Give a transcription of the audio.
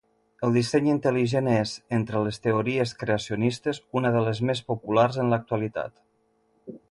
El disseny intel·ligent és, entre les teories creacionistes, una de les més populars en l'actualitat.